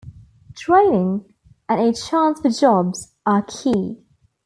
Training and a chance for jobs are key.